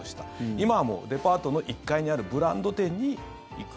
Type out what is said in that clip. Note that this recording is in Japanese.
今はもう、デパートの１階にあるブランド店に行く。